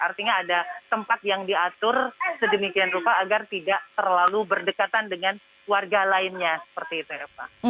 artinya ada tempat yang diatur sedemikian rupa agar tidak terlalu berdekatan dengan warga lainnya seperti itu ya pak